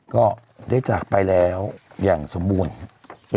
ก็ได้จากไปแล้วอย่างสมบูรณ์